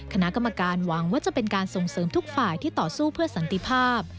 คณะกรรมการหวังว่าจะเป็นการส่งเสริมทุกฝ่ายที่ต่อสู้เพื่อสันติภาพ